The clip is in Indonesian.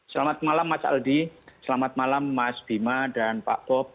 selamat malam mas aldi selamat malam mas bima dan pak bob